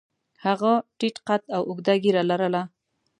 هغه ټیټ قد او اوږده ږیره لرله.